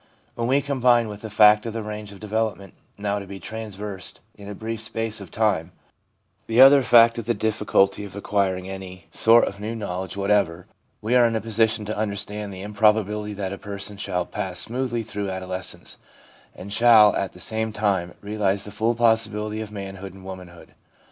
When we combine with the fact of the range of development now to be traversed in a brief space of time, the other fact of the difficulty of acquiring any VIEW OF THE LINE OF RELIGIOUS GROWTH 399 sort of new knowledge whatever, we are in a position to understand the improbability that a person shall pass smoothly through adolescence, and shall at the same time realise the full possibility of manhood and womanhood.